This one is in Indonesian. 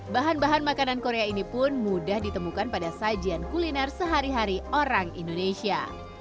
bahan bahan makanan korea ini pun mudah ditemukan pada sajian kuliner sehari hari orang indonesia